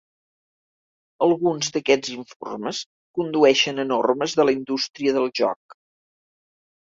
Alguns d'aquests informes condueixen a normes de la indústria del joc.